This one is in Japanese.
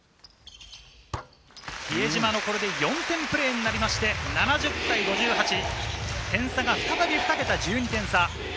比江島、これで４点プレーになりまして、７０対５８、点差が再び１２点差。